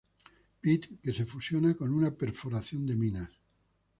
Pit, que se fusiona con una perforación de minas.